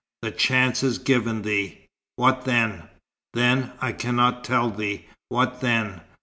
The chance is given thee " "What then?" "Then I cannot tell thee, what then.